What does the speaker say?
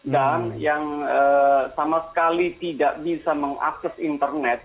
dan yang sama sekali tidak bisa mengakses internet